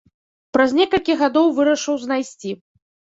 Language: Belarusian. Праз некалькі гадоў вырашыў знайсці.